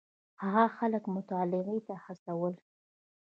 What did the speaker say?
هغه خلک مطالعې ته هڅول.